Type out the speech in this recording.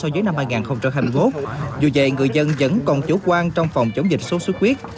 từ năm hai nghìn hai mươi một dù vậy người dân vẫn còn chủ quan trong phòng chống dịch sốt sốt huyết